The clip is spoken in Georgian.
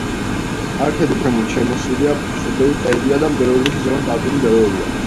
კალთები ქვემოთ შემოსილია სუბალპური ტყეებითა და მდელოებით, ზემოთ, ალპური მდელოებია.